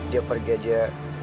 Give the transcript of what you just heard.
dia pergi aja